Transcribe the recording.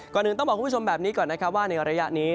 ก่อนอื่นต้องบอกคุณผู้ชมแบบนี้ก่อนนะครับว่าในระยะนี้